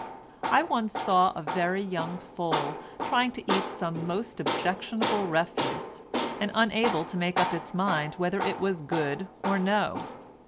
I once saw a very young foal trying to eat some most objectionable refuse, and unable to make up its mind whether it was good or no.